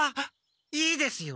いいですよ。